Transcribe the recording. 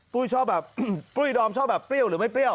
ปุ้ยชอบแบบปุ้ยดอมชอบแบบเปรี้ยวหรือไม่เปรี้ยว